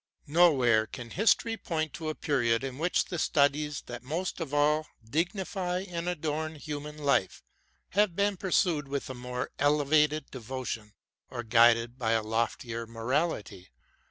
Nowhere can history point to a period in which the studies that most of all dig nify and adorn human life, have been pursued with a more elevated devotion or guided by a loftier morality.